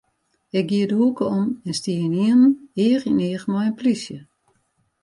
Ik gie de hoeke om en stie ynienen each yn each mei in polysje.